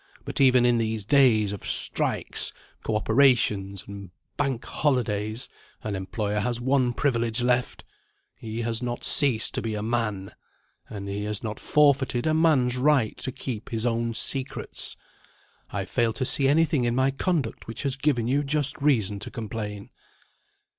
But, even in these days of strikes, co operations, and bank holidays, an employer has one privilege left he has not ceased to be a Man, and he has not forfeited a man's right to keep his own secrets. I fail to see anything in my conduct which has given you just reason to complain."